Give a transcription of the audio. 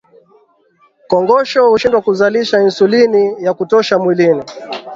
kongosho hushindwa kuzalisha insulini ya kutosha mwilini